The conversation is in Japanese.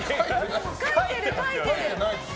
描いてる、描いてる。